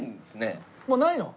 もうないの？